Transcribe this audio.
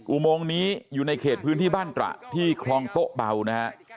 อุโมงนี้อยู่ในเขตพื้นที่บ้านตระที่คลองโต๊ะเบานะฮะ